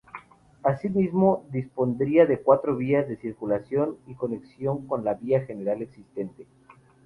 Asimismo, dispondría de cuatro vías de circulación y conexión con la vía general existente.